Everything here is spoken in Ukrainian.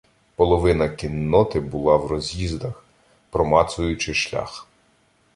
Половина кінноти була в роз'їздах, промацуючи шлях.